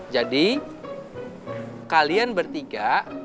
jadi kalian bertiga